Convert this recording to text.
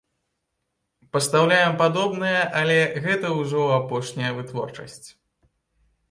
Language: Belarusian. Пастаўляем падобнае, але гэта ўжо апошняя вытворчасць.